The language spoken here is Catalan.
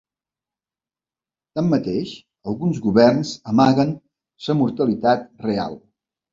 Tanmateix, alguns governs amaguen la mortalitat real.